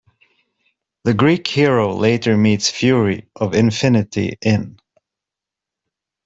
The Greek hero later meets Fury of Infinity In.